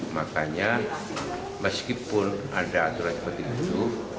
makanya meskipun ada aturan seperti itu